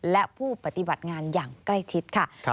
และผู้ปฏิบัติงานอย่างใกล้ชิดค่ะ